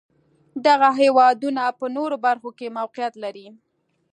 دغه هېوادونه په نورو برخو کې موقعیت لري.